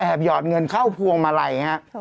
หยอดเงินเข้าพวงมาลัยฮะ